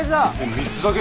３つだけ？